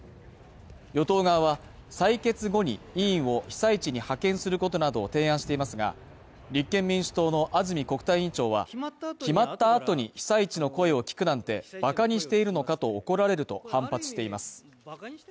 与党側は採決後に委員を被災地に派遣することなどを提案していますが、立憲民主党の安住国対委員長は決まった後に、被災地の声を聞くなんて、馬鹿にしているのかと怒られると反発しています。